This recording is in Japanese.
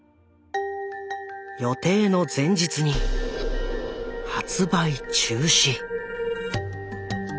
予定の前日に発売中止！